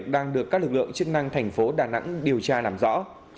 đang được các lực lượng chức năng thành phố đà nẵng điều tra làm rõ